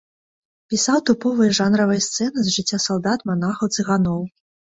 Пісаў тыповыя жанравыя сцэны з жыцця салдат, манахаў, цыганоў.